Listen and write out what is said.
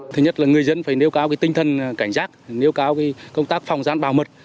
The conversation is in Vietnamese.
thứ nhất là người dân phải nêu cao cái tinh thần cảnh giác nêu cao cái công tác phòng gián bảo mật